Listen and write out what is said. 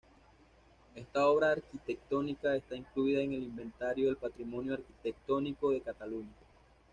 Esta obra arquitectónica está incluida en el Inventario del Patrimonio Arquitectónico de Cataluña.